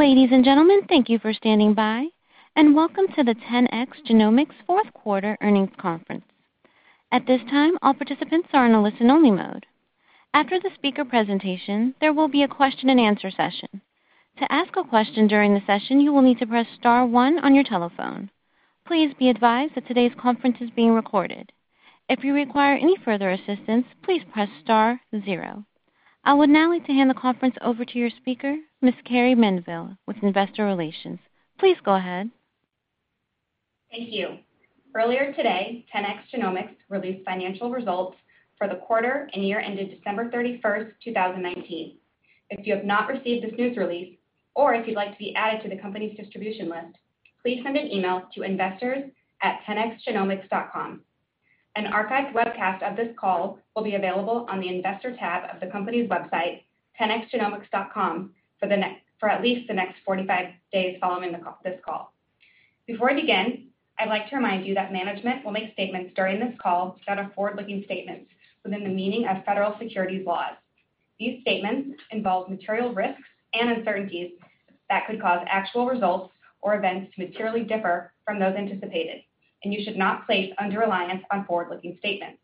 Ladies and gentlemen, thank you for standing by, and welcome to the 10x Genomics fourth quarter earnings conference. At this time, all participants are in a listen only mode. After the speaker presentation, there will be a question and answer session. To ask a question during the session, you will need to press star one on your telephone. Please be advised that today's conference is being recorded. If you require any further assistance, please press star zero. I would now like to hand the conference over to your speaker, Carrie Mendivil, with investor relations. Please go ahead. Thank you. Earlier today, 10x Genomics released financial results for the quarter and year ended December 31st, 2019. If you have not received this news release, or if you'd like to be added to the company's distribution list, please send an email to investors@10xgenomics.com. An archived webcast of this call will be available on the Investor tab of the company's website, 10xgenomics.com, for at least the next 45 days following this call. Before I begin, I'd like to remind you that management will make statements during this call that are forward-looking statements within the meaning of federal securities laws. These statements involve material risks and uncertainties that could cause actual results or events to materially differ from those anticipated. You should not place undue reliance on forward-looking statements.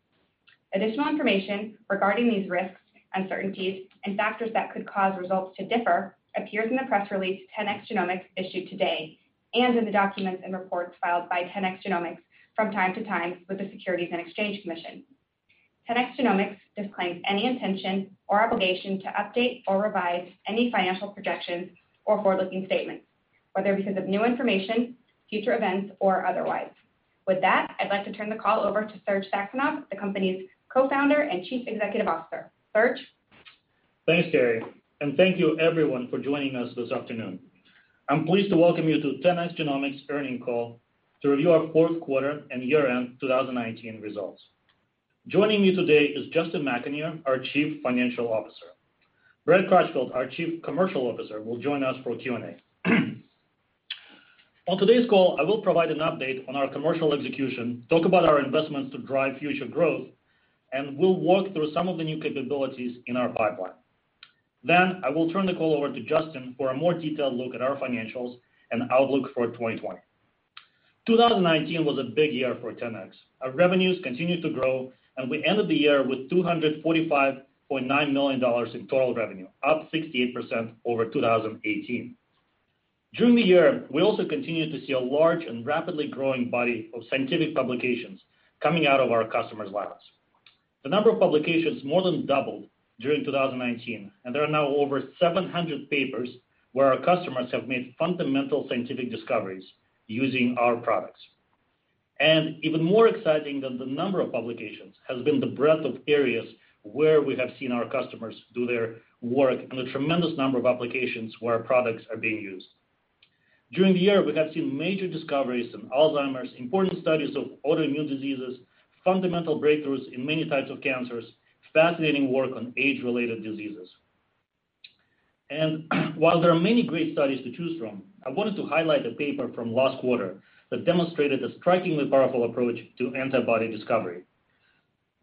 Additional information regarding these risks, uncertainties, and factors that could cause results to differ appears in the press release 10x Genomics issued today and in the documents and reports filed by 10x Genomics from time to time with the Securities and Exchange Commission. 10x Genomics disclaims any intention or obligation to update or revise any financial projections or forward-looking statements, whether because of new information, future events, or otherwise. With that, I'd like to turn the call over to Serge Saxonov, the company's Co-founder and Chief Executive Officer. Serge? Thanks, Carrie, thank you everyone for joining us this afternoon. I'm pleased to welcome you to 10x Genomics earnings call to review our fourth quarter and year-end 2019 results. Joining me today is Justin McAnear, our Chief Financial Officer. Brad Crutchfield, our Chief Commercial Officer, will join us for Q&A. On today's call, I will provide an update on our commercial execution, talk about our investments to drive future growth, we'll walk through some of the new capabilities in our pipeline. I will turn the call over to Justin for a more detailed look at our financials and outlook for 2020. 2019 was a big year for 10x. Our revenues continued to grow, we ended the year with $245.9 million in total revenue, up 68% over 2018. During the year, we also continued to see a large and rapidly growing body of scientific publications coming out of our customers' labs. The number of publications more than doubled during 2019, and there are now over 700 papers where our customers have made fundamental scientific discoveries using our products. Even more exciting than the number of publications has been the breadth of areas where we have seen our customers do their work and the tremendous number of applications where our products are being used. During the year, we have seen major discoveries in Alzheimer's, important studies of autoimmune diseases, fundamental breakthroughs in many types of cancers, fascinating work on age-related diseases. While there are many great studies to choose from, I wanted to highlight a paper from last quarter that demonstrated a strikingly powerful approach to antibody discovery.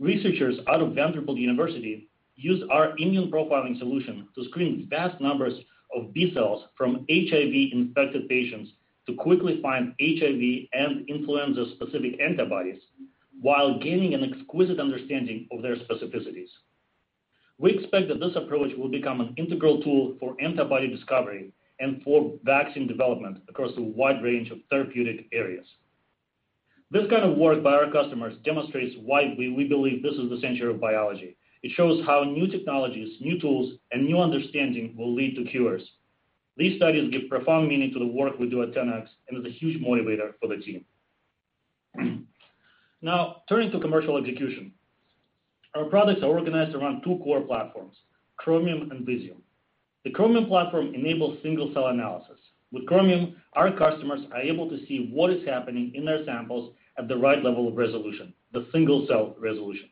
Researchers out of Vanderbilt University used our immune profiling solution to screen vast numbers of B cells from HIV-infected patients to quickly find HIV and influenza-specific antibodies while gaining an exquisite understanding of their specificities. We expect that this approach will become an integral tool for antibody discovery and for vaccine development across a wide range of therapeutic areas. This kind of work by our customers demonstrates why we believe this is the century of biology. It shows how new technologies, new tools, and new understanding will lead to cures. These studies give profound meaning to the work we do at 10x and is a huge motivator for the team. Turning to commercial execution. Our products are organized around two core platforms, Chromium and Visium. The Chromium platform enables single-cell analysis. With Chromium, our customers are able to see what is happening in their samples at the right level of resolution, the single-cell resolution.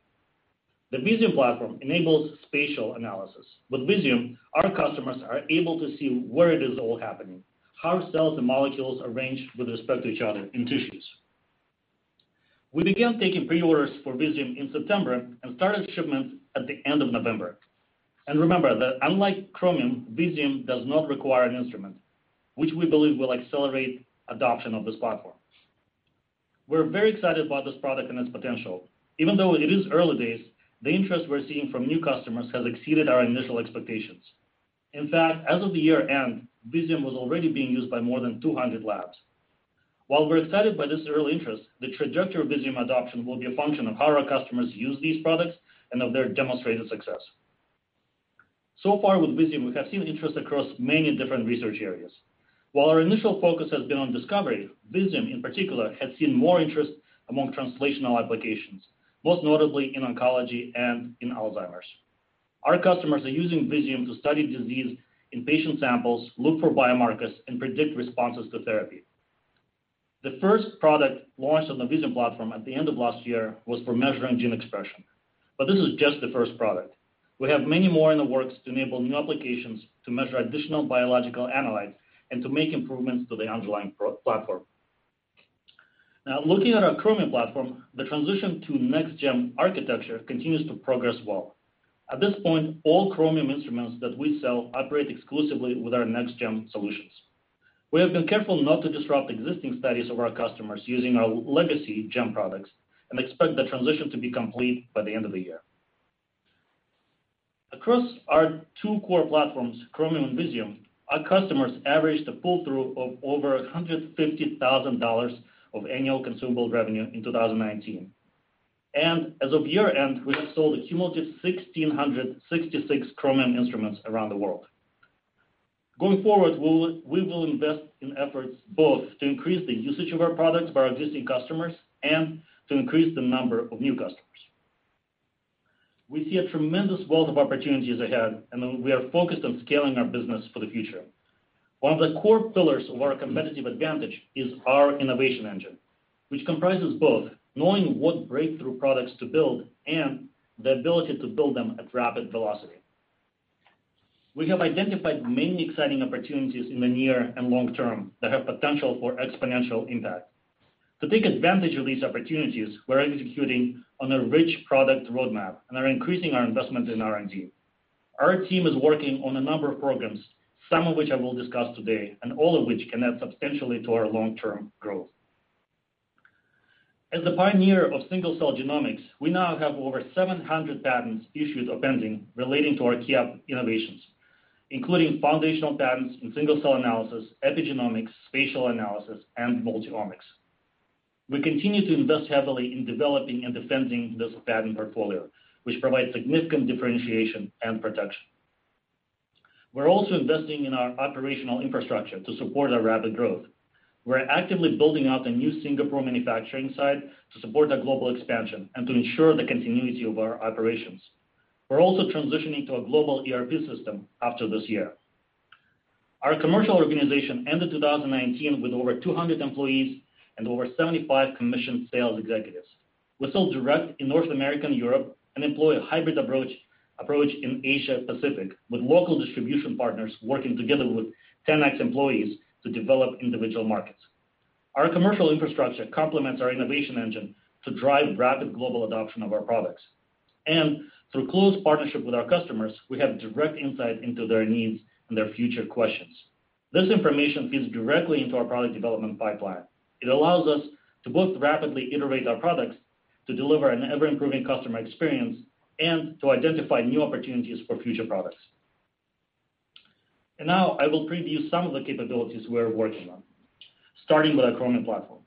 The Visium platform enables spatial analysis. With Visium, our customers are able to see where it is all happening, how cells and molecules arrange with respect to each other in tissues. We began taking pre-orders for Visium in September and started shipments at the end of November. Remember that unlike Chromium, Visium does not require an instrument, which we believe will accelerate adoption of this platform. We're very excited about this product and its potential. Even though it is early days, the interest we're seeing from new customers has exceeded our initial expectations. In fact, as of the year-end, Visium was already being used by more than 200 labs. While we're excited by this early interest, the trajectory of Visium adoption will be a function of how our customers use these products and of their demonstrated success. So far with Visium, we have seen interest across many different research areas. While our initial focus has been on discovery, Visium in particular has seen more interest among translational applications, most notably in oncology and in Alzheimer's. Our customers are using Visium to study disease in patient samples, look for biomarkers, and predict responses to therapy. The first product launched on the Visium platform at the end of last year was for measuring gene expression, but this is just the first product. We have many more in the works to enable new applications to measure additional biological analytes and to make improvements to the underlying platform. Looking at our Chromium platform, the transition to Next GEM architecture continues to progress well. At this point, all Chromium instruments that we sell operate exclusively with our Next-Gen solutions. We have been careful not to disrupt existing studies of our customers using our legacy Gen products and expect the transition to be complete by the end of the year. Across our two core platforms, Chromium and Visium, our customers averaged a pull-through of over $150,000 of annual consumable revenue in 2019. As of year-end, we have sold a cumulative 1,666 Chromium instruments around the world. Going forward, we will invest in efforts both to increase the usage of our products by our existing customers and to increase the number of new customers. We see a tremendous wealth of opportunities ahead, and we are focused on scaling our business for the future. One of the core pillars of our competitive advantage is our innovation engine, which comprises both knowing what breakthrough products to build and the ability to build them at rapid velocity. We have identified many exciting opportunities in the near and long term that have potential for exponential impact. To take advantage of these opportunities, we're executing on a rich product roadmap and are increasing our investment in R&D. Our team is working on a number of programs, some of which I will discuss today, and all of which can add substantially to our long-term growth. As the pioneer of single-cell genomics, we now have over 700 patents issued or pending relating to our key innovations, including foundational patents in single-cell analysis, epigenomics, spatial analysis, and multi-omics. We continue to invest heavily in developing and defending this patent portfolio, which provides significant differentiation and protection. We're also investing in our operational infrastructure to support our rapid growth. We're actively building out a new Singapore manufacturing site to support our global expansion and to ensure the continuity of our operations. We're also transitioning to a global ERP system after this year. Our commercial organization ended 2019 with over 200 employees and over 75 commissioned sales executives. We're still direct in North America and Europe and employ a hybrid approach in Asia Pacific with local distribution partners working together with 10x employees to develop individual markets. Our commercial infrastructure complements our innovation engine to drive rapid global adoption of our products. Through close partnership with our customers, we have direct insight into their needs and their future questions. This information feeds directly into our product development pipeline. It allows us to both rapidly iterate our products to deliver an ever-improving customer experience and to identify new opportunities for future products. Now I will preview some of the capabilities we're working on, starting with our Chromium platform.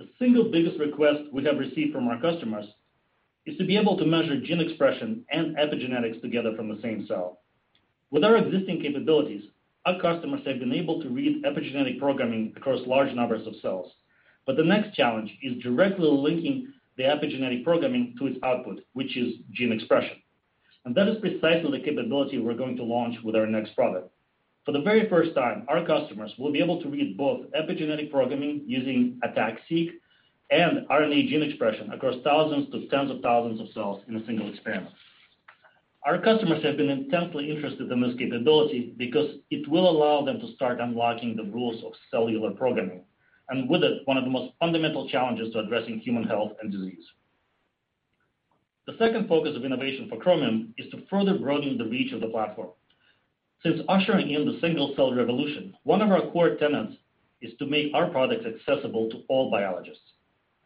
The single biggest request we have received from our customers is to be able to measure gene expression and epigenetics together from the same cell. With our existing capabilities, our customers have been able to read epigenetic programming across large numbers of cells. The next challenge is directly linking the epigenetic programming to its output, which is gene expression. That is precisely the capability we're going to launch with our next product. For the very first time, our customers will be able to read both epigenetic programming using ATAC-seq and RNA gene expression across thousands to tens of thousands of cells in a single experiment. Our customers have been intensely interested in this capability because it will allow them to start unlocking the rules of cellular programming, and with it, one of the most fundamental challenges to addressing human health and disease. The second focus of innovation for Chromium is to further broaden the reach of the platform. Since ushering in the single-cell revolution, one of our core tenets is to make our products accessible to all biologists.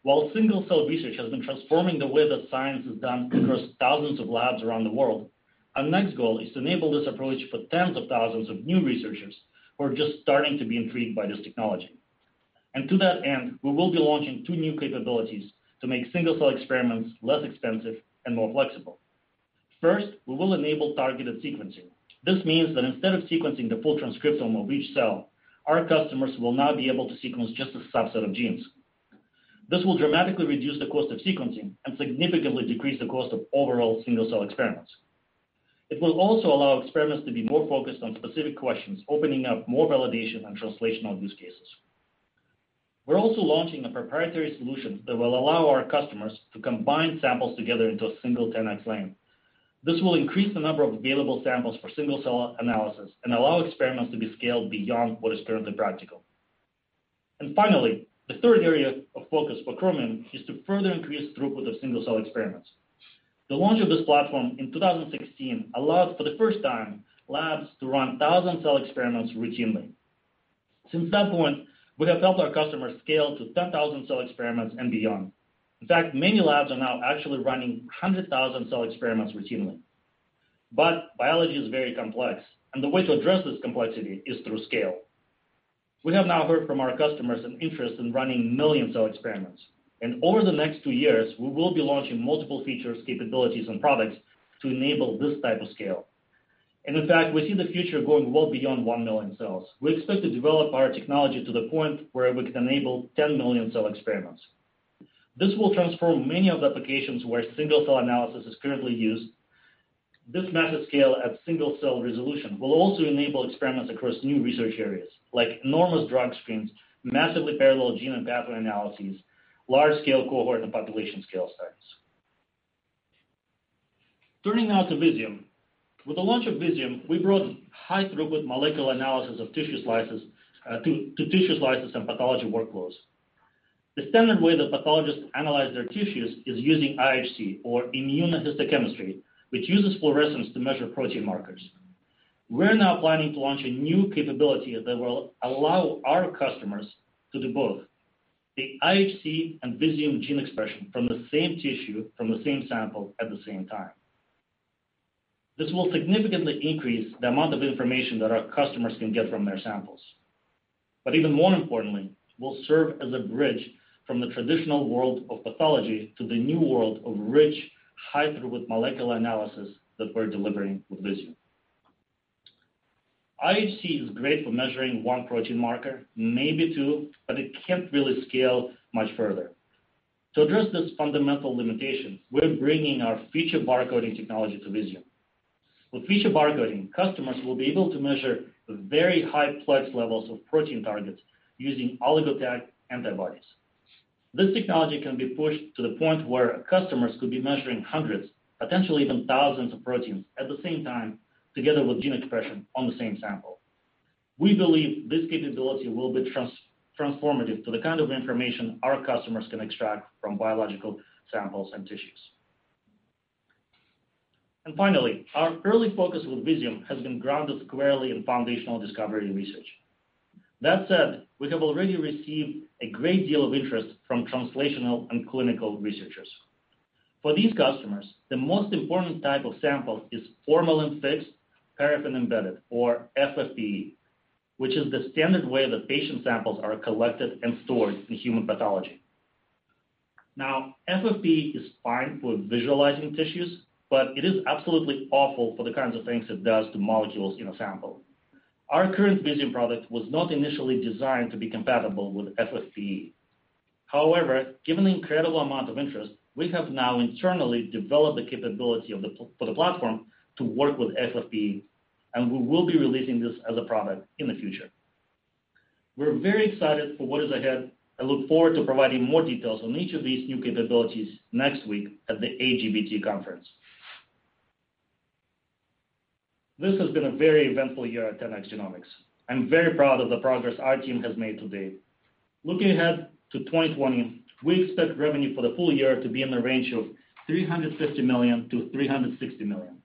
While single-cell research has been transforming the way that science is done across thousands of labs around the world, our next goal is to enable this approach for tens of thousands of new researchers who are just starting to be intrigued by this technology. To that end, we will be launching two new capabilities to make single-cell experiments less expensive and more flexible. First, we will enable targeted sequencing. This means that instead of sequencing the full transcriptome of each cell, our customers will now be able to sequence just a subset of genes. This will dramatically reduce the cost of sequencing and significantly decrease the cost of overall single-cell experiments. It will also allow experiments to be more focused on specific questions, opening up more validation and translational use cases. We're also launching a proprietary solution that will allow our customers to combine samples together into a single 10x lane. This will increase the number of available samples for single-cell analysis and allow experiments to be scaled beyond what is currently practical. Finally, the third area of focus for Chromium is to further increase throughput of single-cell experiments. The launch of this platform in 2016 allowed, for the first time, labs to run 1,000-cell experiments routinely. Since that point, we have helped our customers scale to 10,000-cell experiments and beyond. In fact, many labs are now actually running 100,000-cell experiments routinely. Biology is very complex, and the way to address this complexity is through scale. We have now heard from our customers an interest in running million-cell experiments, and over the next two years, we will be launching multiple features, capabilities, and products to enable this type of scale. In fact, we see the future going well beyond one million cells. We expect to develop our technology to the point where we can enable 10 million-cell experiments. This will transform many of the applications where single-cell analysis is currently used. This massive scale at single-cell resolution will also enable experiments across new research areas like enormous drug screens, massively parallel gene and pathway analyses, large-scale cohort and population scale studies. Turning now to Visium. With the launch of Visium, we brought high throughput molecular analysis to tissue slices and pathology workflows. The standard way that pathologists analyze their tissues is using IHC, or immunohistochemistry, which uses fluorescence to measure protein markers. We're now planning to launch a new capability that will allow our customers to do both, the IHC and Visium gene expression from the same tissue, from the same sample, at the same time. This will significantly increase the amount of information that our customers can get from their samples. Even more importantly, will serve as a bridge from the traditional world of pathology to the new world of rich, high throughput molecular analysis that we're delivering with Visium. IHC is great for measuring one protein marker, maybe two, but it can't really scale much further. To address this fundamental limitation, we're bringing our Feature Barcoding technology to Visium. With Feature Barcoding, customers will be able to measure very high plex levels of protein targets using oligo-tagged antibodies. This technology can be pushed to the point where customers could be measuring hundreds, potentially even thousands of proteins at the same time, together with gene expression on the same sample. Finally, our early focus with Visium has been grounded squarely in foundational discovery and research. That said, we have already received a great deal of interest from translational and clinical researchers. For these customers, the most important type of sample is formalin-fixed, paraffin-embedded, or FFPE, which is the standard way that patient samples are collected and stored in human pathology. FFPE is fine for visualizing tissues, but it is absolutely awful for the kinds of things it does to molecules in a sample. Our current Visium product was not initially designed to be compatible with FFPE. Given the incredible amount of interest, we have now internally developed the capability for the platform to work with FFPE, and we will be releasing this as a product in the future. We're very excited for what is ahead and look forward to providing more details on each of these new capabilities next week at the AGBT conference. This has been a very eventful year at 10x Genomics. I'm very proud of the progress our team has made to date. Looking ahead to 2020, we expect revenue for the full year to be in the range of $350 million-$360 million.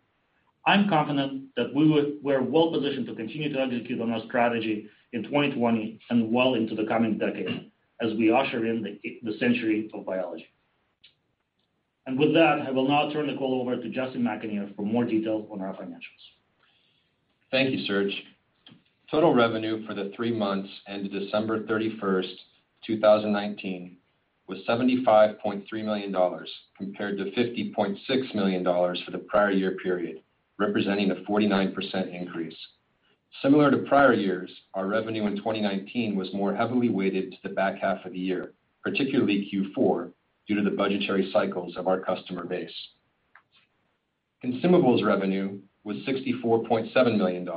I'm confident that we're well positioned to continue to execute on our strategy in 2020 and well into the coming decade as we usher in the century of biology. With that, I will now turn the call over to Justin McAnear for more details on our financials. Thank you, Serge. Total revenue for the three months ended December 31st, 2019, was $75.3 million, compared to $50.6 million for the prior year period, representing a 49% increase. Similar to prior years, our revenue in 2019 was more heavily weighted to the back half of the year, particularly Q4, due to the budgetary cycles of our customer base. Consumables revenue was $64.7 million,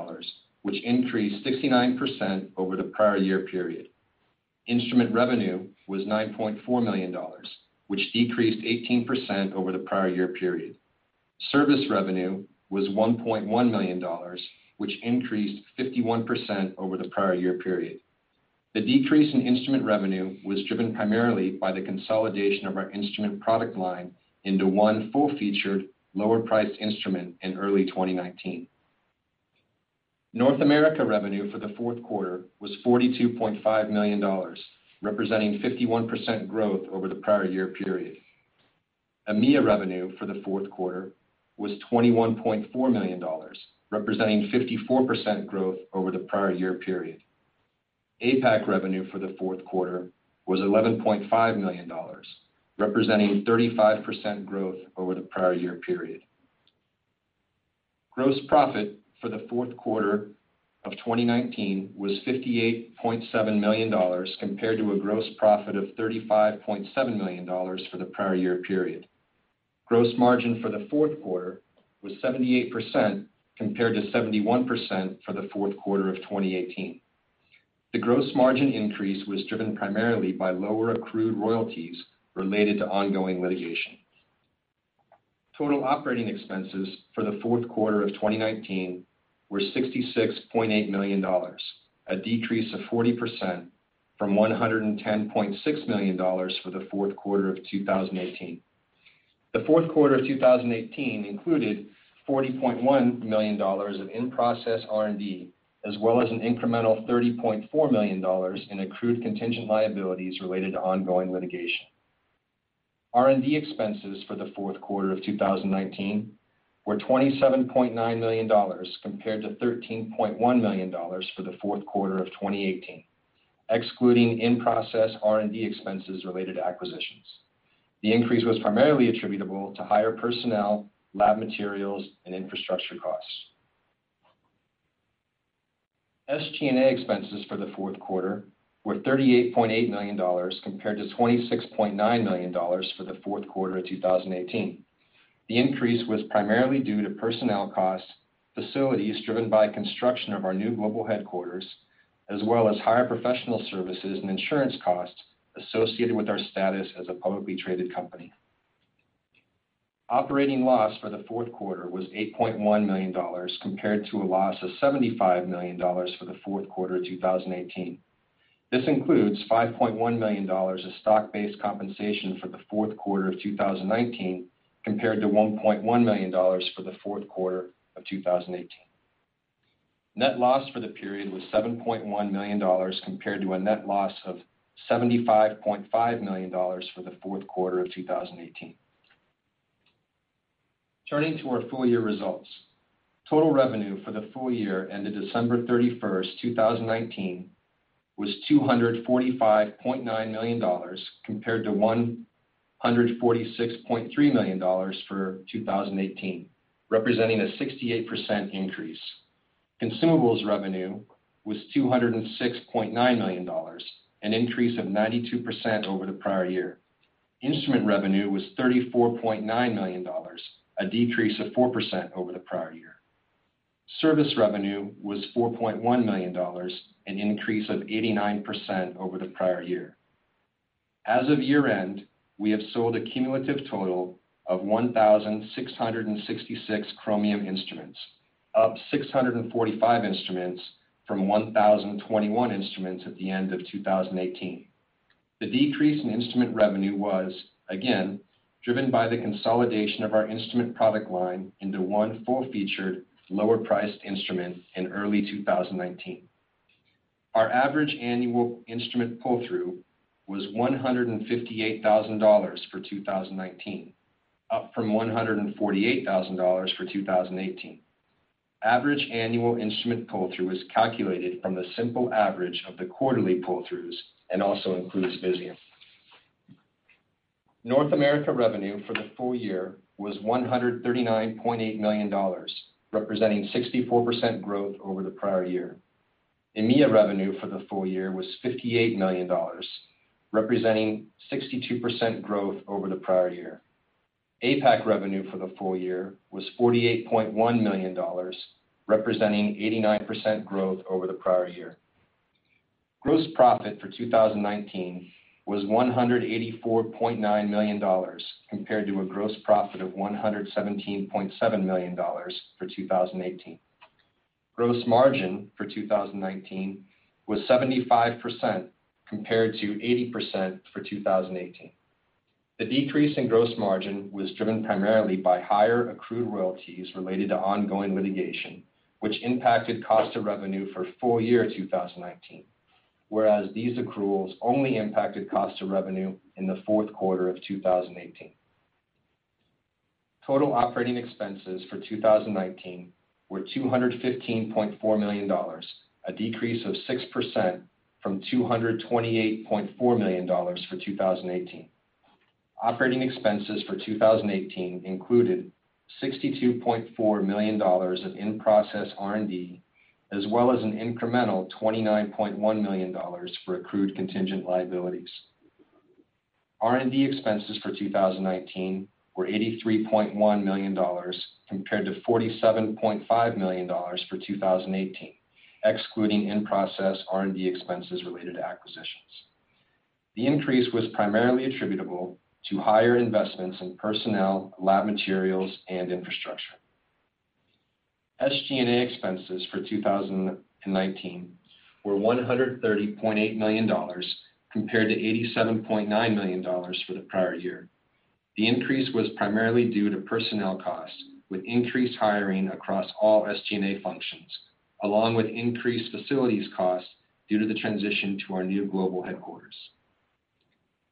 which increased 69% over the prior year period. Instrument revenue was $9.4 million, which decreased 18% over the prior year period. Service revenue was $1.1 million, which increased 51% over the prior year period. The decrease in instrument revenue was driven primarily by the consolidation of our instrument product line into one full-featured, lower-priced instrument in early 2019. North America revenue for the fourth quarter was $42.5 million, representing 51% growth over the prior year period. EMEA revenue for the fourth quarter was $21.4 million, representing 54% growth over the prior year period. APAC revenue for the fourth quarter was $11.5 million, representing 35% growth over the prior year period. Gross profit for the fourth quarter of 2019 was $58.7 million, compared to a gross profit of $35.7 million for the prior year period. Gross margin for the fourth quarter was 78%, compared to 71% for the fourth quarter of 2018. The gross margin increase was driven primarily by lower accrued royalties related to ongoing litigation. Total operating expenses for the fourth quarter of 2019 were $66.8 million, a decrease of 40% from $110.6 million for the fourth quarter of 2018. The fourth quarter of 2018 included $40.1 million of in-process R&D, as well as an incremental $30.4 million in accrued contingent liabilities related to ongoing litigation. R&D expenses for the fourth quarter of 2019 were $27.9 million, compared to $13.1 million for the fourth quarter of 2018, excluding in-process R&D expenses related to acquisitions. The increase was primarily attributable to higher personnel, lab materials, and infrastructure costs. SG&A expenses for the fourth quarter were $38.8 million, compared to $26.9 million for the fourth quarter of 2018. The increase was primarily due to personnel costs, facilities driven by construction of our new global headquarters, as well as higher professional services and insurance costs associated with our status as a publicly traded company. Operating loss for the fourth quarter was $8.1 million, compared to a loss of $75 million for the fourth quarter of 2018. This includes $5.1 million of stock-based compensation for the fourth quarter of 2019, compared to $1.1 million for the fourth quarter of 2018. Net loss for the period was $7.1 million, compared to a net loss of $75.5 million for the fourth quarter of 2018. Turning to our full year results. Total revenue for the full year ended December 31st, 2019, was $245.9 million, compared to $146.3 million for 2018, representing a 68% increase. Consumables revenue was $206.9 million, an increase of 92% over the prior year. Instrument revenue was $34.9 million, a decrease of 4% over the prior year. Service revenue was $4.1 million, an increase of 89% over the prior year. As of year-end, we have sold a cumulative total of 1,666 Chromium instruments, up 645 instruments from 1,021 instruments at the end of 2018. The decrease in instrument revenue was, again, driven by the consolidation of our instrument product line into one full-featured, lower-priced instrument in early 2019. Our average annual instrument pull-through was $158,000 for 2019, up from $148,000 for 2018. Average annual instrument pull-through is calculated from the simple average of the quarterly pull-throughs and also includes Visium. North America revenue for the full year was $139.8 million, representing 64% growth over the prior year. EMEA revenue for the full year was $58 million, representing 62% growth over the prior year. APAC revenue for the full year was $48.1 million, representing 89% growth over the prior year. Gross profit for 2019 was $184.9 million, compared to a gross profit of $117.7 million for 2018. Gross margin for 2019 was 75%, compared to 80% for 2018. The decrease in gross margin was driven primarily by higher accrued royalties related to ongoing litigation, which impacted cost of revenue for full year 2019, whereas these accruals only impacted cost of revenue in the fourth quarter of 2018. Total operating expenses for 2019 were $215.4 million, a decrease of 6% from $228.4 million for 2018. Operating expenses for 2018 included $62.4 million of in-process R&D, as well as an incremental $29.1 million for accrued contingent liabilities. R&D expenses for 2019 were $83.1 million, compared to $47.5 million for 2018, excluding in-process R&D expenses related to acquisitions. The increase was primarily attributable to higher investments in personnel, lab materials, and infrastructure. SG&A expenses for 2019 were $130.8 million, compared to $87.9 million for the prior year. The increase was primarily due to personnel costs, with increased hiring across all SG&A functions, along with increased facilities costs due to the transition to our new global headquarters.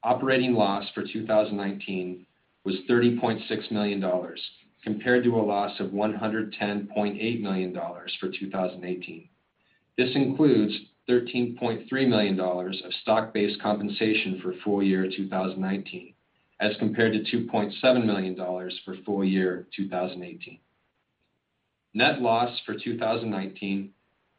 Operating loss for 2019 was $30.6 million, compared to a loss of $110.8 million for 2018. This includes $13.3 million of stock-based compensation for full year 2019, as compared to $2.7 million for full year 2018. Net loss for 2019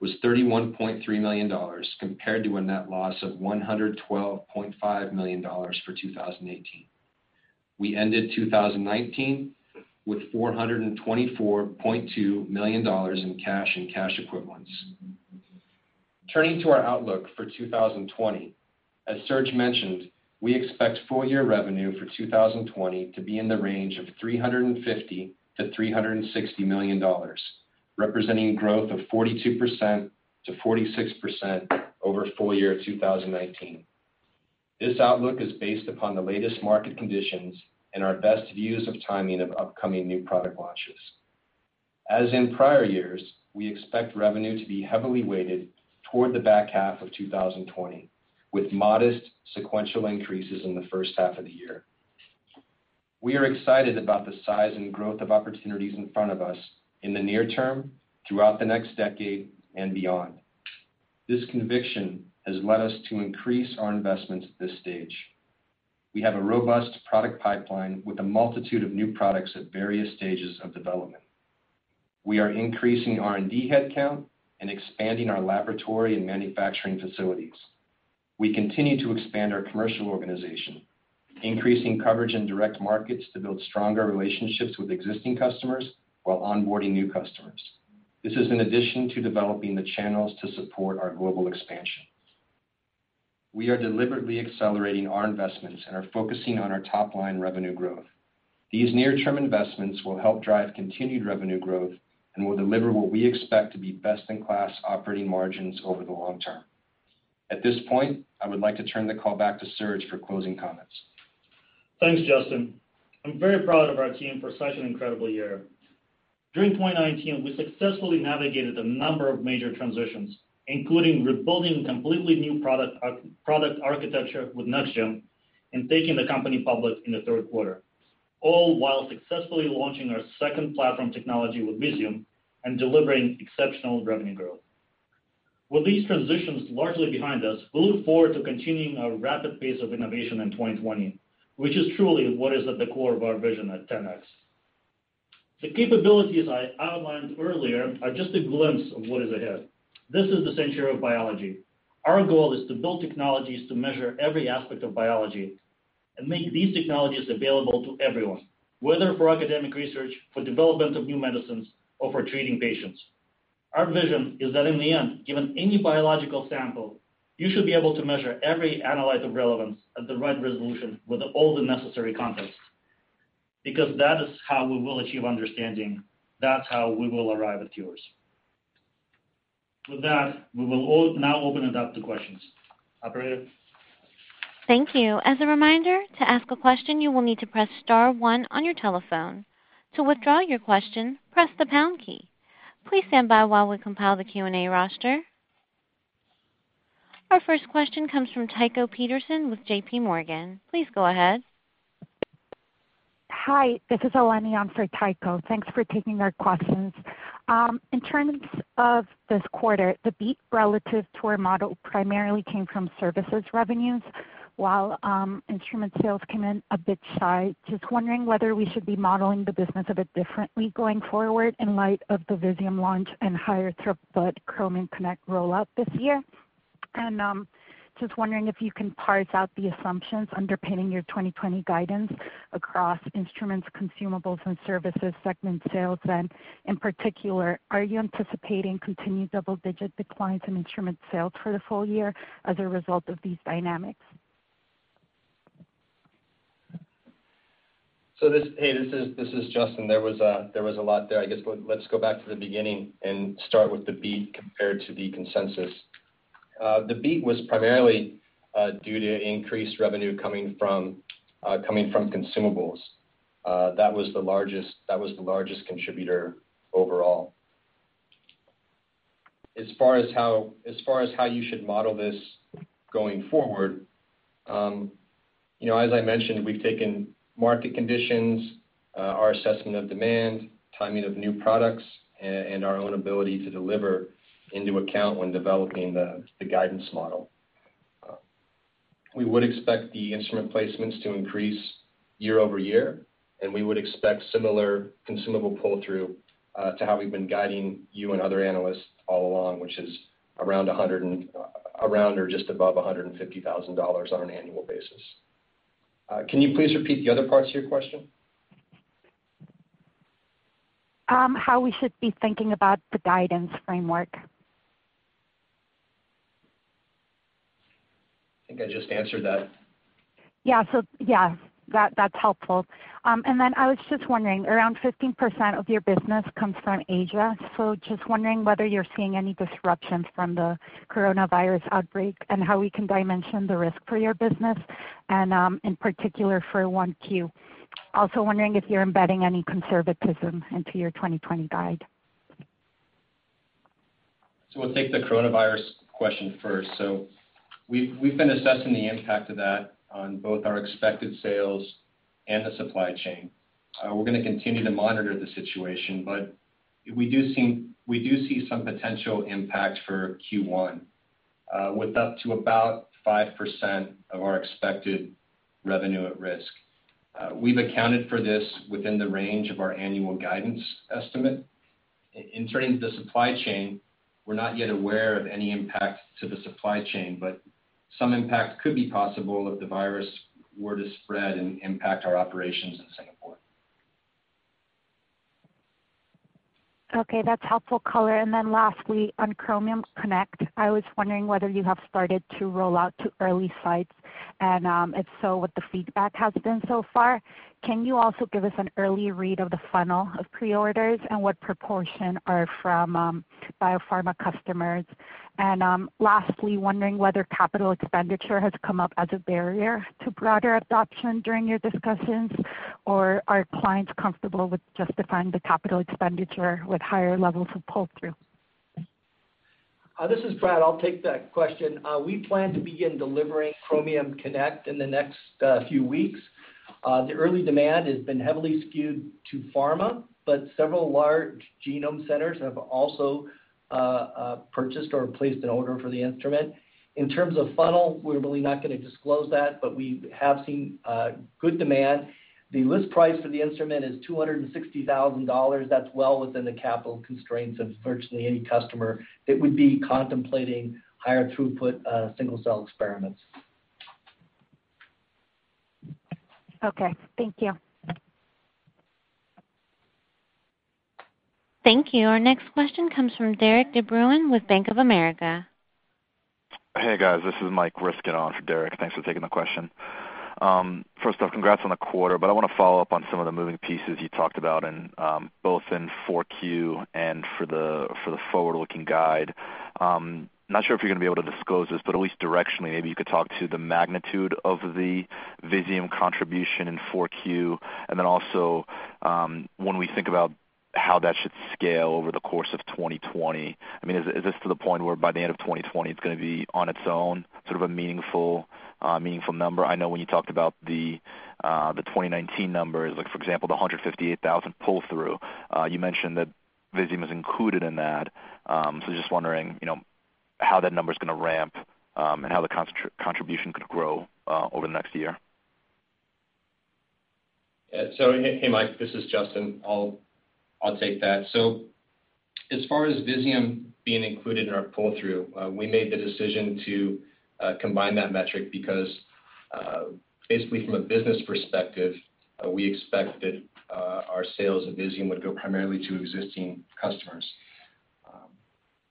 was $31.3 million, compared to a net loss of $112.5 million for 2018. We ended 2019 with $424.2 million in cash and cash equivalents. Turning to our outlook for 2020. As Serge mentioned, we expect full year revenue for 2020 to be in the range of $350 million-$360 million, representing growth of 42%-46% over full year 2019. This outlook is based upon the latest market conditions and our best views of timing of upcoming new product launches. As in prior years, we expect revenue to be heavily weighted toward the back half of 2020, with modest sequential increases in the first half of the year. We are excited about the size and growth of opportunities in front of us in the near term, throughout the next decade, and beyond. This conviction has led us to increase our investments at this stage. We have a robust product pipeline with a multitude of new products at various stages of development. We are increasing R&D head count and expanding our laboratory and manufacturing facilities. We continue to expand our commercial organization, increasing coverage in direct markets to build stronger relationships with existing customers while onboarding new customers. This is in addition to developing the channels to support our global expansion. We are deliberately accelerating our investments and are focusing on our top-line revenue growth. These near-term investments will help drive continued revenue growth and will deliver what we expect to be best-in-class operating margins over the long term. At this point, I would like to turn the call back to Serge for closing comments. Thanks, Justin. I'm very proud of our team for such an incredible year. During 2019, we successfully navigated a number of major transitions, including rebuilding completely new product architecture with Next GEM and taking the company public in the third quarter, all while successfully launching our second platform technology with Visium and delivering exceptional revenue growth. With these transitions largely behind us, we look forward to continuing our rapid pace of innovation in 2020, which is truly what is at the core of our vision at 10x. The capabilities I outlined earlier are just a glimpse of what is ahead. This is the century of biology. Our goal is to build technologies to measure every aspect of biology and make these technologies available to everyone, whether for academic research, for development of new medicines, or for treating patients. Our vision is that in the end, given any biological sample, you should be able to measure every analyte of relevance at the right resolution with all the necessary context, because that is how we will achieve understanding. That's how we will arrive at cures. With that, we will now open it up to questions. Operator? Thank you. As a reminder, to ask a question, you will need to press star one on your telephone. To withdraw your question, press the pound key. Please stand by while we compile the Q&A roster. Our first question comes from Tycho Peterson with JPMorgan. Please go ahead. Hi, this is Eleni on for Tycho. Thanks for taking our questions. In terms of this quarter, the beat relative to our model primarily came from services revenues, while instrument sales came in a bit shy. Just wondering whether we should be modeling the business a bit differently going forward in light of the Visium launch and higher throughput Chromium Connect rollout this year. Just wondering if you can parse out the assumptions underpinning your 2020 guidance across instruments, consumables, and services segment sales. In particular, are you anticipating continued double-digit declines in instrument sales for the full year as a result of these dynamics? Hey, this is Justin. There was a lot there. I guess let's go back to the beginning and start with the beat compared to the consensus. The beat was primarily due to increased revenue coming from consumables. That was the largest contributor overall. As far as how you should model this going forward, as I mentioned, we've taken market conditions, our assessment of demand, timing of new products, and our own ability to deliver into account when developing the guidance model. We would expect the instrument placements to increase year-over-year, and we would expect similar consumable pull-through to how we've been guiding you and other analysts all along, which is around or just above $150,000 on an annual basis. Can you please repeat the other parts of your question? How we should be thinking about the guidance framework. I think I just answered that. Yeah. That's helpful. I was just wondering, around 15% of your business comes from Asia, just wondering whether you're seeing any disruptions from the coronavirus outbreak and how we can dimension the risk for your business and, in particular, for 1Q. Also wondering if you're embedding any conservatism into your 2020 guide. We'll take the coronavirus question first. We've been assessing the impact of that on both our expected sales and the supply chain. We're going to continue to monitor the situation, but we do see some potential impact for Q1, with up to about 5% of our expected revenue at risk. We've accounted for this within the range of our annual guidance estimate. In terms of the supply chain, we're not yet aware of any impact to the supply chain, but some impact could be possible if the virus were to spread and impact our operations in Singapore. Okay, that's helpful color. Lastly, on Chromium Connect, I was wondering whether you have started to roll out to early sites, and if so, what the feedback has been so far. Can you also give us an early read of the funnel of pre-orders and what proportion are from biopharma customers? Lastly, wondering whether capital expenditure has come up as a barrier to broader adoption during your discussions, or are clients comfortable with justifying the capital expenditure with higher levels of pull-through? This is Brad. I'll take that question. We plan to begin delivering Chromium Connect in the next few weeks. The early demand has been heavily skewed to pharma, but several large genome centers have also purchased or placed an order for the instrument. In terms of funnel, we are really not going to disclose that, but we have seen good demand. The list price for the instrument is $260,000. That is well within the capital constraints of virtually any customer that would be contemplating higher throughput single-cell experiments. Okay. Thank you. Thank you. Our next question comes from Derik de Bruin with Bank of America. Hey, guys. This is Mike Ryskin getting on for Derik. Thanks for taking the question. First off, congrats on the quarter. I want to follow up on some of the moving pieces you talked about, both in 4Q and for the forward-looking guide. Not sure if you're going to be able to disclose this. At least directionally, maybe you could talk to the magnitude of the Visium contribution in 4Q. Then also when we think about how that should scale over the course of 2020. Is this to the point where by the end of 2020, it's going to be on its own sort of a meaningful number? I know when you talked about the 2019 numbers, like for example, the 158,000 pull-through, you mentioned that Visium is included in that. Just wondering how that number's going to ramp, and how the contribution could grow over the next year? Hey, Mike, this is Justin. I'll take that. As far as Visium being included in our pull-through, we made the decision to combine that metric because, basically from a business perspective, we expect that our sales of Visium would go primarily to existing customers.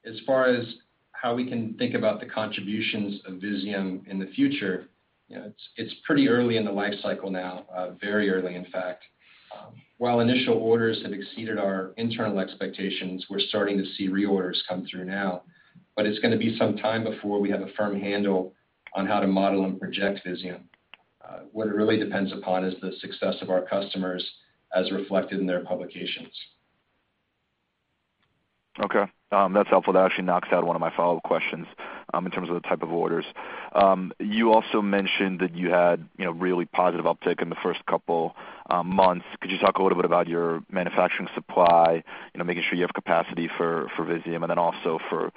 As far as how we can think about the contributions of Visium in the future, it's pretty early in the life cycle now, very early, in fact. While initial orders have exceeded our internal expectations, we're starting to see reorders come through now, it's going to be some time before we have a firm handle on how to model and project Visium. What it really depends upon is the success of our customers as reflected in their publications. Okay. That's helpful. That actually knocks out one of my follow-up questions in terms of the type of orders. You also mentioned that you had really positive uptick in the first couple months. Could you talk a little bit about your manufacturing supply, making sure you have capacity for Visium and then also for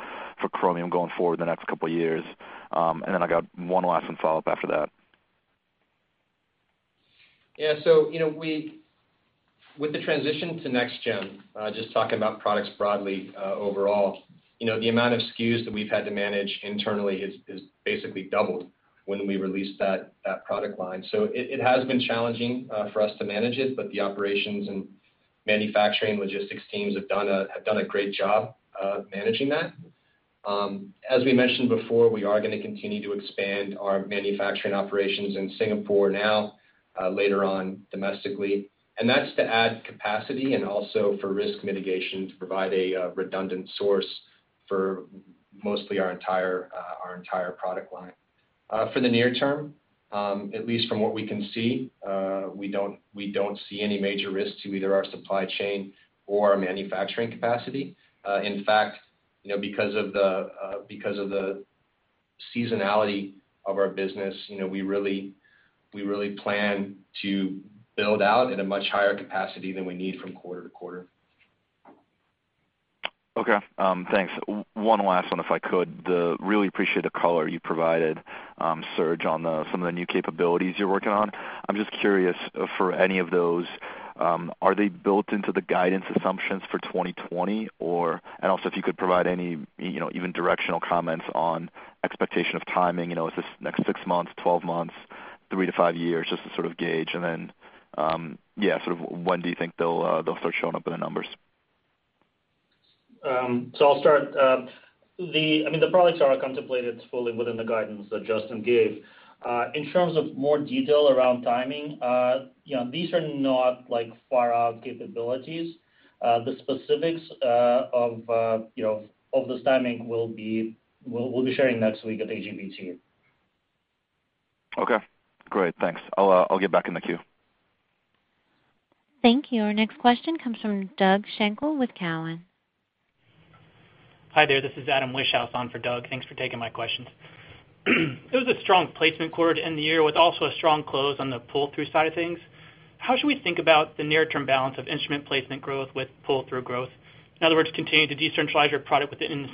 Chromium going forward in the next couple of years? I got one last follow-up after that. Yeah. With the transition to Next GEM, just talking about products broadly overall, the amount of SKUs that we've had to manage internally has basically doubled when we released that product line. It has been challenging for us to manage it, but the operations and manufacturing logistics teams have done a great job of managing that. As we mentioned before, we are going to continue to expand our manufacturing operations in Singapore now, later on domestically, and that's to add capacity and also for risk mitigation to provide a redundant source for mostly our entire product line. For the near term, at least from what we can see, we don't see any major risks to either our supply chain or our manufacturing capacity. In fact, because of the seasonality of our business, we really plan to build out at a much higher capacity than we need from quarter to quarter. Okay. Thanks. One last one, if I could. Really appreciate the color you provided, Serge, on some of the new capabilities you're working on. I'm just curious for any of those, are they built into the guidance assumptions for 2020? Also, if you could provide any even directional comments on expectation of timing. Is this next six months, 12 months, three to five years? Just to sort of gauge, then, yeah, when do you think they'll start showing up in the numbers? I'll start. The products are contemplated fully within the guidance that Justin gave. In terms of more detail around timing, these are not far out capabilities. The specifics of this timing we'll be sharing next week at AGBT. Okay, great. Thanks. I'll get back in the queue. Thank you. Our next question comes from Doug Schenkel with Cowen. Hi there. This is Adam Wieschhaus on for Doug. Thanks for taking my questions. It was a strong placement quarter to end the year with also a strong close on the pull-through side of things. How should we think about the near-term balance of instrument placement growth with pull-through growth? In other words, continuing to decentralize your product within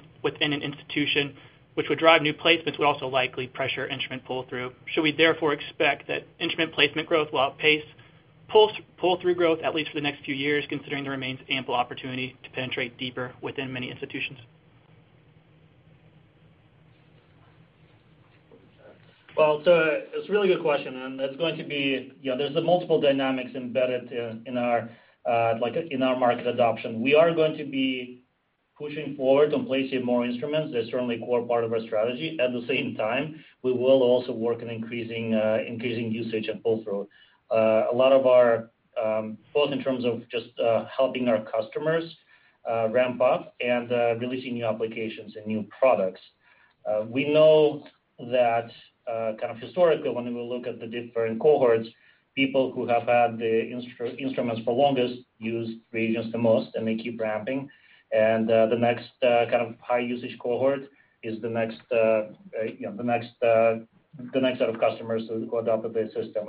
an institution, which would drive new placements, would also likely pressure instrument pull-through. Should we therefore expect that instrument placement growth will outpace pull-through growth at least for the next few years, considering there remains ample opportunity to penetrate deeper within many institutions? Well, it's a really good question, and there's the multiple dynamics embedded in our market adoption. We are going to be pushing forward on placing more instruments. That's certainly a core part of our strategy. At the same time, we will also work on increasing usage and pull-through. Both in terms of just helping our customers ramp up and releasing new applications and new products. We know that kind of historically, when we look at the different cohorts, people who have had the instruments for longest use reagents the most, and they keep ramping. The next kind of high usage cohort is the next set of customers who adopt the base system.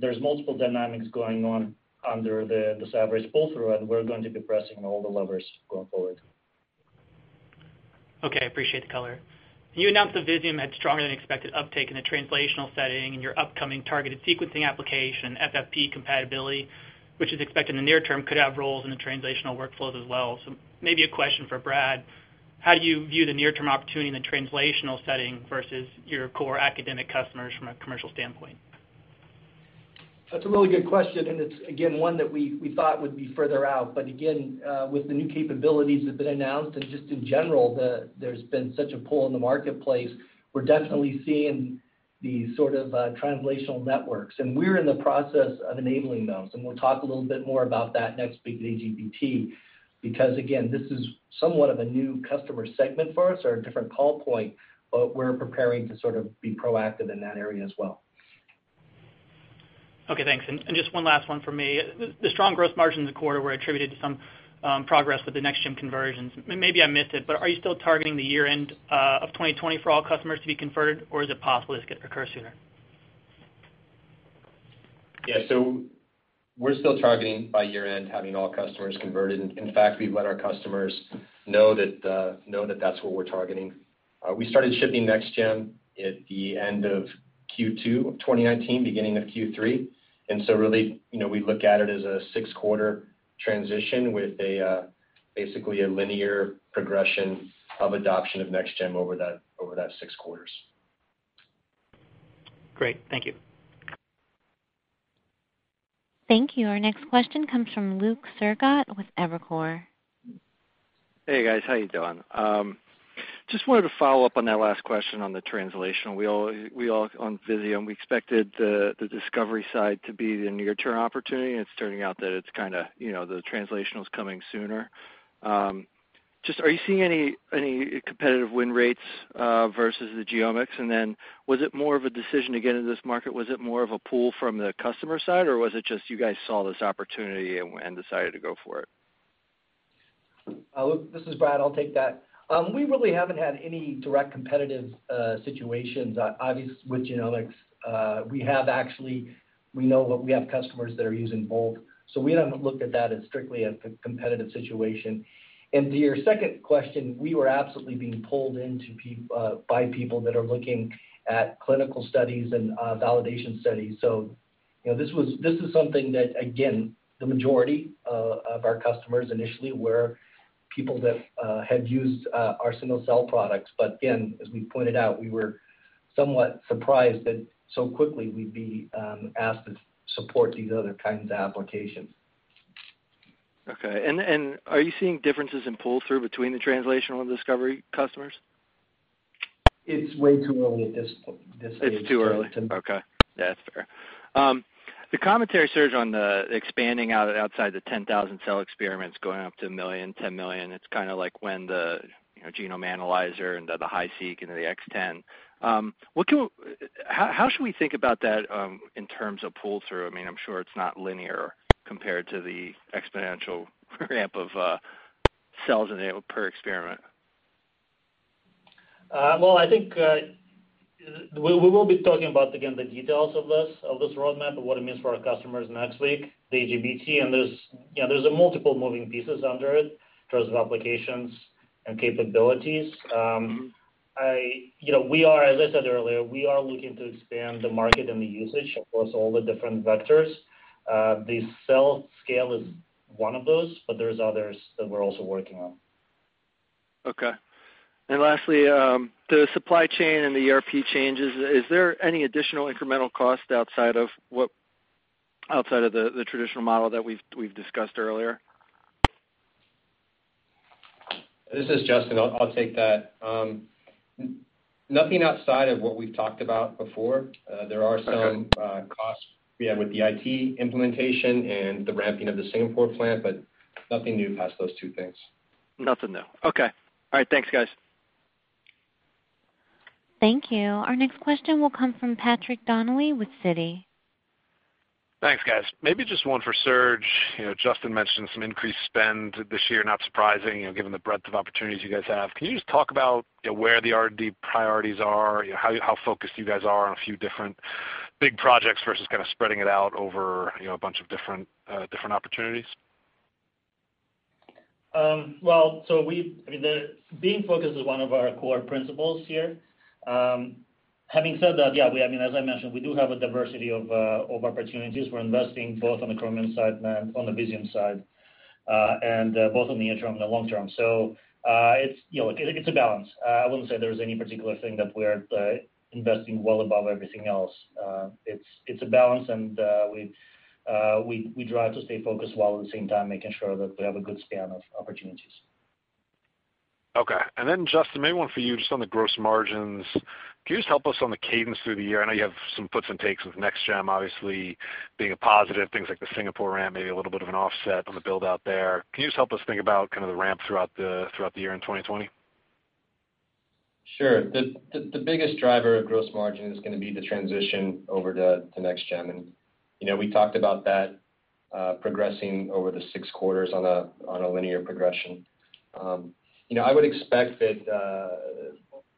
There's multiple dynamics going on under the average pull-through, and we're going to be pressing all the levers going forward. Okay. Appreciate the color. You announced that Visium had stronger than expected uptake in the translational setting and your upcoming targeted sequencing application, FFPE compatibility, which is expected in the near term, could have roles in the translational workflows as well. Maybe a question for Brad. How do you view the near-term opportunity in the translational setting versus your core academic customers from a commercial standpoint? That's a really good question, and it's, again, one that we thought would be further out. Again, with the new capabilities that have been announced and just in general, there's been such a pull in the marketplace, we're definitely seeing the sort of translational networks, and we're in the process of enabling those. We'll talk a little bit more about that next week at AGBT, because, again, this is somewhat of a new customer segment for us or a different call point, but we're preparing to sort of be proactive in that area as well. Okay, thanks. Just one last one for me. The strong growth margins in the quarter were attributed to some progress with the Next GEM conversions. Maybe I missed it, are you still targeting the year-end of 2020 for all customers to be converted, or is it possible this could occur sooner? Yeah. We're still targeting by year-end having all customers converted. In fact, we've let our customers know that that's what we're targeting. We started shipping Next GEM at the end of Q2 of 2019, beginning of Q3. Really, we look at it as a six-quarter transition with basically a linear progression of adoption of Next GEM over that six quarters. Great. Thank you. Thank you. Our next question comes from Luke Sergott with Evercore. Hey, guys. How you doing? Just wanted to follow up on that last question on the translational. On Visium, we expected the discovery side to be the near-term opportunity, and it's turning out that the translational is coming sooner. Just are you seeing any competitive win rates versus Vizgen? Was it more of a decision to get into this market, was it more of a pull from the customer side, or was it just you guys saw this opportunity and decided to go for it? Luke, this is Brad. I'll take that. We really haven't had any direct competitive situations, obviously, with genomics. We have customers that are using both, so we haven't looked at that as strictly a competitive situation. To your second question, we were absolutely being pulled in by people that are looking at clinical studies and validation studies. This is something that, again, the majority of our customers initially were people that had used our single-cell products. Again, as we pointed out, we were somewhat surprised that so quickly we'd be asked to support these other kinds of applications. Okay. Are you seeing differences in pull-through between the translational and discovery customers? It's way too early at this stage. It's too early. Okay. That's fair. The commentary, Serge, on the expanding out outside the 10,000-cell experiments going up to one million, 10 million, it's kind of like when the Genome Analyzer and the HiSeq and the X Ten. How should we think about that in terms of pull-through? I'm sure it's not linear compared to the exponential ramp of cells enabled per experiment. Well, I think, we will be talking about, again, the details of this roadmap and what it means for our customers next week, the AGBT. There's multiple moving pieces under it in terms of applications and capabilities. As I said earlier, we are looking to expand the market and the usage across all the different vectors. The cell scale is one of those, but there's others that we're also working on. Okay. Lastly, the supply chain and the ERP changes, is there any additional incremental cost outside of the traditional model that we've discussed earlier? This is Justin. I'll take that. Nothing outside of what we've talked about before. Okay. There are some costs we have with the IT implementation and the ramping of the Singapore plant, but nothing new past those two things. Nothing new. Okay. All right. Thanks, guys. Thank you. Our next question will come from Patrick Donnelly with Citi. Thanks, guys. Maybe just one for Serge. Justin mentioned some increased spend this year, not surprising, given the breadth of opportunities you guys have. Can you just talk about where the R&D priorities are, how focused you guys are on a few different big projects versus kind of spreading it out over a bunch of different opportunities? Well, being focused is one of our core principles here. Having said that, as I mentioned, we do have a diversity of opportunities. We're investing both on the Chromium side and on the Visium side, and both in the interim and the long term. It's a balance. I wouldn't say there's any particular thing that we're investing well above everything else. It's a balance, and we try to stay focused while at the same time making sure that we have a good span of opportunities. Okay. Then Justin, maybe one for you just on the gross margins. Can you just help us on the cadence through the year? I know you have some puts and takes with Next GEM, obviously being a positive, things like the Singapore ramp, maybe a little bit of an offset on the build-out there. Can you just help us think about the ramp throughout the year in 2020? Sure. The biggest driver of gross margin is going to be the transition over to Next GEM. We talked about that progressing over the six quarters on a linear progression. I would expect that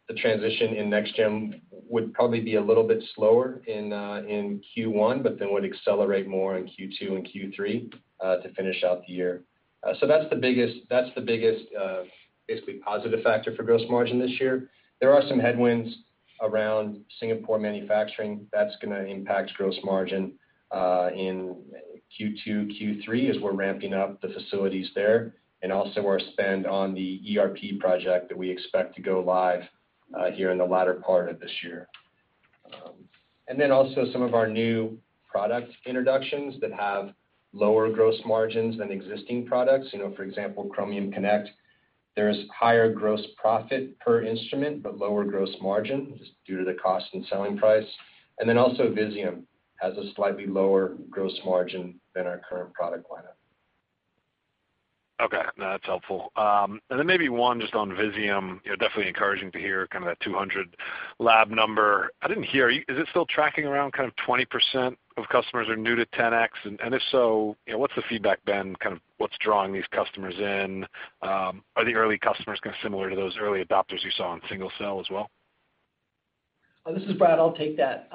the transition in Next GEM would probably be a little bit slower in Q1, but then would accelerate more in Q2 and Q3 to finish out the year. That's the biggest, basically positive factor for gross margin this year. There are some headwinds around Singapore manufacturing, that's going to impact gross margin in Q2, Q3 as we're ramping up the facilities there. Also our spend on the ERP project that we expect to go live here in the latter part of this year. Also some of our new product introductions that have lower gross margins than existing products, for example, Chromium Connect, there is higher gross profit per instrument, but lower gross margin just due to the cost and selling price. Also Visium has a slightly lower gross margin than our current product lineup. Okay. No, that's helpful. Maybe one just on Visium, definitely encouraging to hear kind of that 200 lab number. I didn't hear, is it still tracking around 20% of customers are new to 10x? If so, what's the feedback been? What's drawing these customers in? Are the early customers kind of similar to those early adopters you saw on single-cell as well? This is Brad, I'll take that.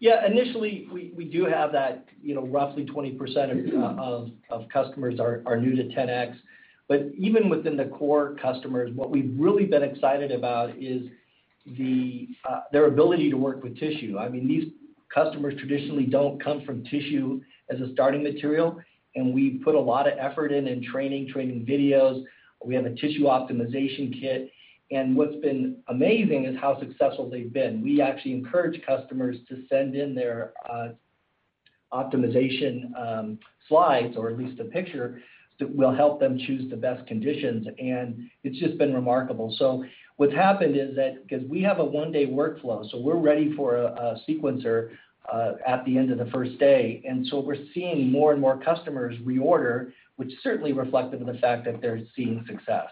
Yeah, initially, we do have that roughly 20% of customers are new to 10x. Even within the core customers, what we've really been excited about is their ability to work with tissue. These customers traditionally don't come from tissue as a starting material, and we've put a lot of effort in training videos, we have a tissue optimization kit, and what's been amazing is how successful they've been. We actually encourage customers to send in their optimization slides or at least a picture, that will help them choose the best conditions, and it's just been remarkable. What's happened is that, because we have a one-day workflow, so we're ready for a sequencer, at the end of the first day. We're seeing more and more customers reorder, which certainly reflective of the fact that they're seeing success.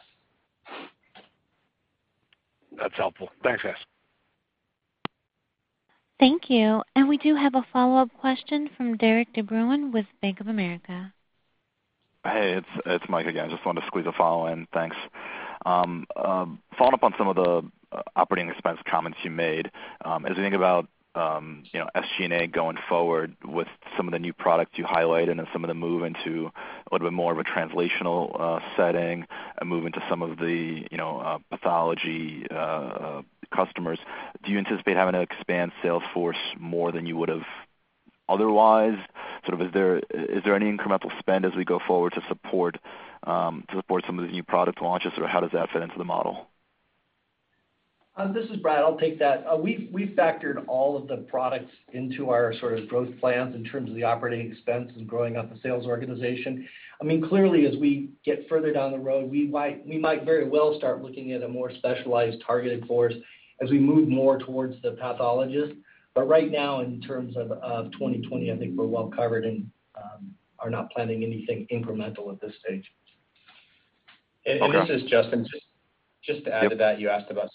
That's helpful. Thanks, guys. Thank you. We do have a follow-up question from Derik de Bruin with Bank of America. Hey, it's Mike again. Just wanted to squeeze a follow in, thanks. Following up on some of the operating expense comments you made, as we think about SG&A going forward with some of the new products you highlight and then some of the move into a little bit more of a translational setting and move into some of the pathology customers, do you anticipate having to expand sales force more than you would've otherwise? Is there any incremental spend as we go forward to support some of the new product launches, or how does that fit into the model? This is Brad, I'll take that. We've factored all of the products into our sort of growth plans in terms of the operating expense and growing up the sales organization. Clearly, as we get further down the road, we might very well start looking at a more specialized targeted force as we move more towards the pathologist. Right now, in terms of 2020, I think we're well covered and are not planning anything incremental at this stage. This is Justin. Just to add to that, you asked about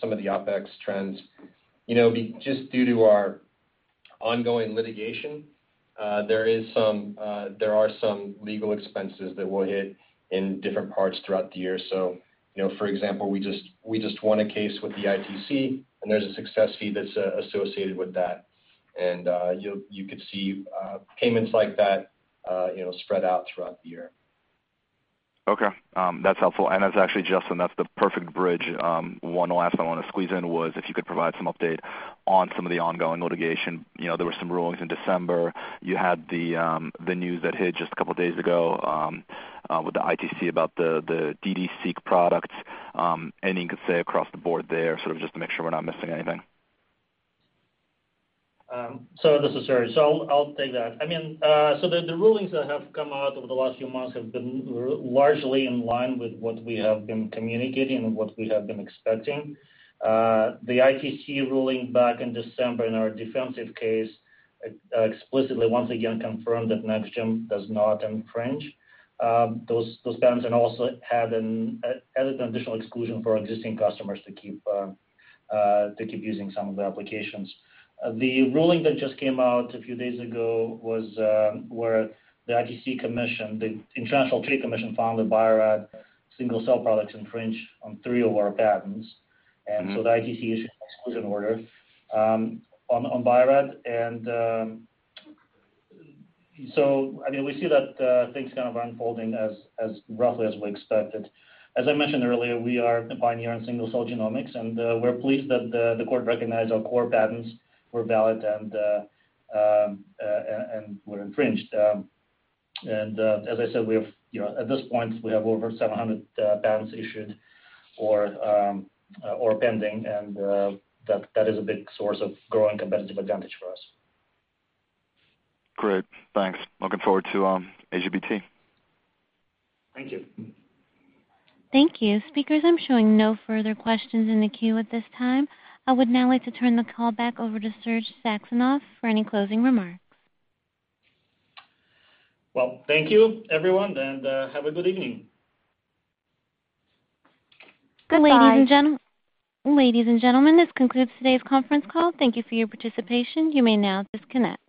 some of the opex trends. Just due to our ongoing litigation, there are some legal expenses that will hit in different parts throughout the year. For example, we just won a case with the ITC, and there's a success fee that's associated with that. You could see payments like that spread out throughout the year. Okay, that's helpful. Actually, Justin, that's the perfect bridge. One last thing I want to squeeze in was if you could provide some update on some of the ongoing litigation. There were some rulings in December. You had the news that hit just a couple of days ago, with the ITC about the ddSEQ products. Anything you could say across the board there, sort of just to make sure we're not missing anything? This is Serge. I'll take that. The rulings that have come out over the last few months have been largely in line with what we have been communicating and what we have been expecting. The ITC ruling back in December in our defensive case explicitly once again confirmed that Next GEM does not infringe, those terms and also added an additional exclusion for our existing customers to keep using some of the applications. The ruling that just came out a few days ago was where the ITC commission, the International Trade Commission, found that Bio-Rad single-cell products infringe on three of our patents. The ITC issued an exclusion order on Bio-Rad. We see that things kind of are unfolding as roughly as we expected. As I mentioned earlier, we are the pioneer in single-cell Vizgen, and we're pleased that the court recognized our core patents were valid and were infringed. As I said, at this point, we have over 700 patents issued or pending, and that is a big source of growing competitive advantage for us. Great. Thanks. Looking forward to AGBT. Thank you. Thank you. Speakers, I'm showing no further questions in the queue at this time. I would now like to turn the call back over to Serge Saxonov for any closing remarks. Well, thank you, everyone, and have a good evening. Goodbye. Ladies and gentlemen, this concludes today's conference call. Thank you for your participation. You may now disconnect.